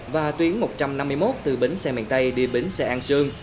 và tuyến một trăm năm mươi một từ bến xe miền tây đi bến xe an sương